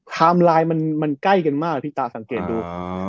ไลน์มันใกล้กันมากพี่ตาสังเกตดู